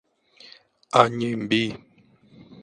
Anhembi